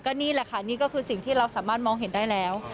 นี่แหละค่ะนี่ก็คือสิ่งที่เราสามารถมองเห็นได้แล้ว